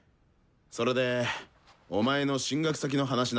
それでお前の進学先の話なんだけどさ。